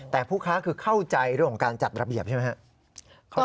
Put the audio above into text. แต่ผู้ค้าคือเข้าใจเรื่องของการจัดระเบียบใช่ไหมครับ